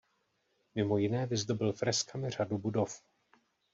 Mimo jiné vyzdobil freskami řadu budov.